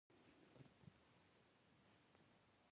افغانستان کې د وګړي لپاره پوره دپرمختیا پروګرامونه شته دي.